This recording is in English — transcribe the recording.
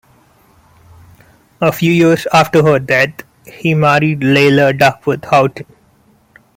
A few years after her death, he married Leila Duckworth Houghton.